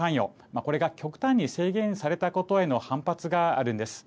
これが極端に制限されたことへの反発があるんです。